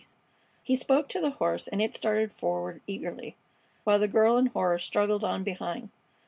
He spoke to the horse, and it started forward eagerly, while the girl in horror struggled on behind.